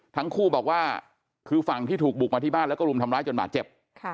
ทั้งคู่บอกว่าคือฝั่งที่ถูกบุกมาที่บ้านแล้วก็รุมทำร้ายจนบาดเจ็บ